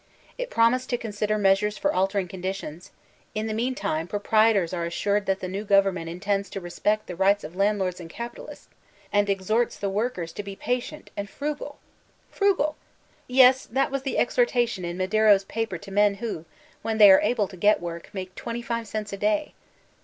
It promised to consider measures for altering conditioDs ; in the meantime, proprietors are assured that the new gov ernment intends to respect the rights of landlords and capitalists, and exhorts the woricers to be patient and— frugalt Frugal! Yes, that was the exhortation in Madero's paper to men who, when they are able to get work, make twenty five cents a day.